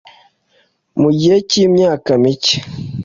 Mu gihe cyimyaka mike